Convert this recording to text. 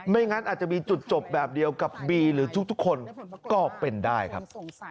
งั้นอาจจะมีจุดจบแบบเดียวกับบีหรือทุกคนก็เป็นได้ครับ